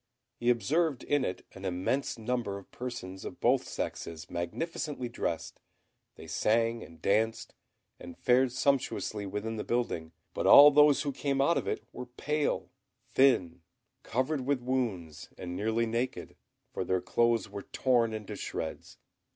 He observed in it an immense number of persons of both sexes magnificently dressed: they sang and danced, and fared sumptuously within the building; but all those who came out of it were pale, thin, covered with wounds, and nearly naked, for their clothes were torn into shreds.